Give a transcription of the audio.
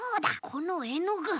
このえのぐ。